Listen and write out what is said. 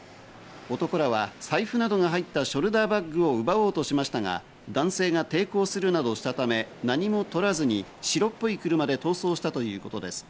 男らは財布などが入ったショルダーバッグを奪おうとしましたが、男性が抵抗するなどしたため、何も取らずに白っぽい車で逃走したということです。